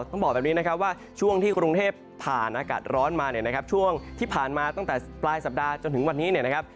ต้องบอกแบบนี้นะครับว่าช่วงที่กรุงเทพผ่านอากาศร้อนมาเนี่ยนะครับช่วงที่ผ่านมาตั้งแต่ปลายสัปดาห์จนถึงวันนี้เนี่ยนะครับ